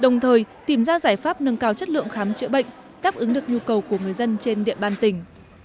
đồng thời tìm ra giải pháp nâng cao chất lượng dịch vụ khám chữa bệnh tác ứng được nhu cầu của người dân trên địa bàn tỉnh